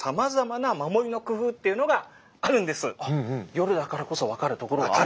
夜だからこそ分かるところがある？